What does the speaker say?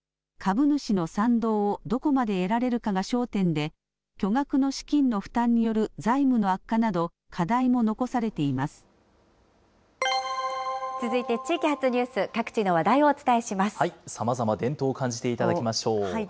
株主の賛同をどこまで得られるかが焦点で、巨額の資金の負担による財務の悪化など、課題も残され続いて地域発ニュース、各地さまざま、伝統を感じていただきましょう。